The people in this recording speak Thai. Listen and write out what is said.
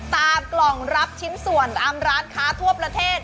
ตามกล่องรับชิ้นส่วนร้านขาทั่วประเทศ